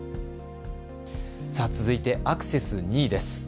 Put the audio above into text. さあ続いてアクセス２位です。